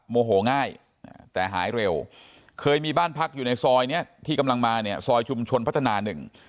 โมโหง่ายแต่หายเร็วเคยมีบ้านพักอยู่ในซอยเนี้ยที่กำลังมาเนี่ยซอยชุมชนพัฒนาหนึ่ง